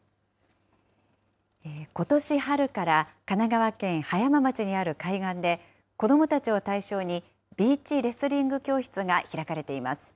ことし春から、神奈川県葉山町にある海岸で、子どもたちを対象に、ビーチレスリング教室が開かれています。